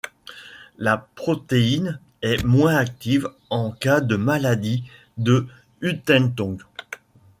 La protéine est moins active en cas de maladie de Huntington.